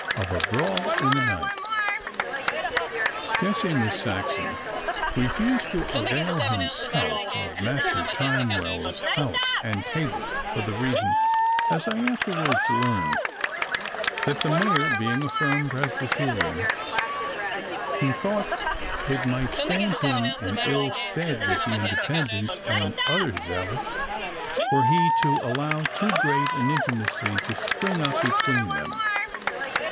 Of a Brawl in the Night Decimus Saxon refused to avail himself of Master Timewell's house and table for the reason, as I afterwards learned, that, the Mayor being a firm Presbyterian, he thought it might stand him in ill stead with the Independents and other zealots were he to allow too great an intimacy to spring up between them.